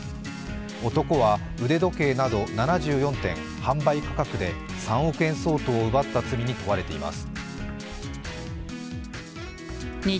男は腕時計など７４点、販売価格で３億円相当を奪った罪に問われています。